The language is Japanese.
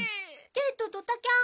デートドタキャン。